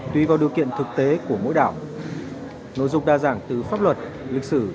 tùy vào điều kiện thực tế của mỗi đảo nội dung đa dạng từ pháp luật lịch sử